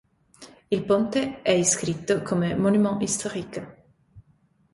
Il ponte è iscritto come Monument historique.